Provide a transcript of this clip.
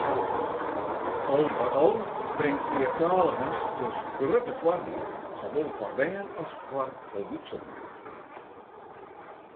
Al mei al bringt meartaligens dus grutte foardielen, sawol foar bern as foar folwoeksenen.